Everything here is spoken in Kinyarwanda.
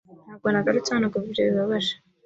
Ntabwo nagarutse hano kuva ibyo bibabaje.